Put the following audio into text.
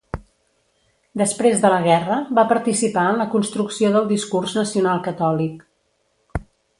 Després de la guerra va participar en la construcció del discurs nacional-catòlic.